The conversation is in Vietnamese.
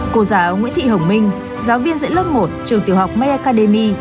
cô giáo nguyễn thị hồng minh giáo viên dạy lớp một trường tiểu học may academy